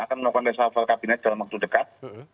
akan melakukan reshuffle kabinet dalam waktu dekat